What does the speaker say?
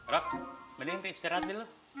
rob mending istirahat dulu